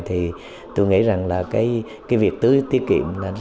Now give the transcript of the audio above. thì tôi nghĩ rằng việc tưới tiết kiệm sẽ thành công